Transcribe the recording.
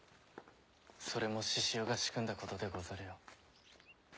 それも志々雄が仕組んだことでござるよ。